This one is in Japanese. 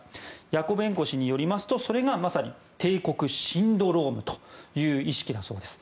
ヤコベンコ氏によりますとそれがまさに帝国シンドロームという意識だそうです。